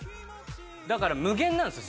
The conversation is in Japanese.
だから無限なんですよ